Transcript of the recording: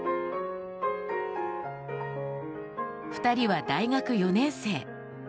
２人は大学４年生。